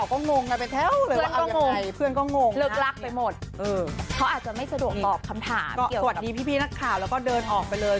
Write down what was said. ก็สวัสดีพี่นักข่าวแล้วก็เดินออกไปเลย